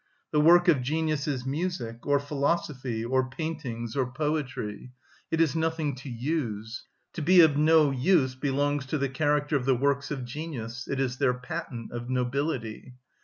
The work of genius is music, or philosophy, or paintings, or poetry; it is nothing to use. To be of no use belongs to the character of the works of genius; it is their patent of nobility.